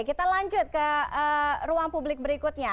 kita lanjut ke ruang publik berikutnya